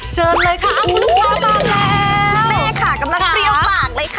เชิญเลยค่ะคุณลูกค้ามาแล้วแม่ค่ะกำลังเตรียมปากเลยค่ะ